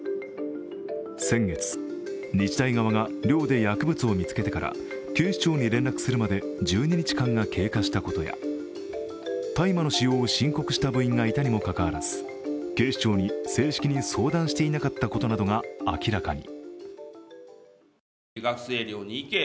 先月、日大側が寮で薬物を見つけてから警視庁に連絡するまで１２日間が経過したことや、大麻の使用を申告した部員がいたにもかかわらず警視庁に正式に相談していなかったことなどが明らかに。